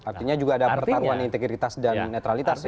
artinya juga ada pertaruhan integritas dan netralitas ya